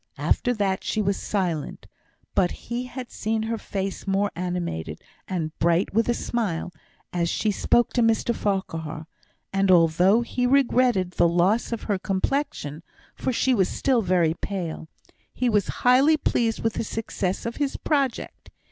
After that she was silent. But he had seen her face more animated, and bright with a smile, as she spoke to Mr Farquhar; and although he regretted the loss of her complexion (for she was still very pale), he was highly pleased with the success of his project.